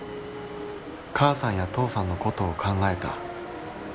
「母さんや父さんのことを考えた。